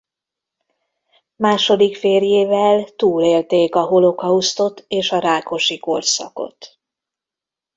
Második férjével túlélték a holokausztot és a Rákosi-korszakot.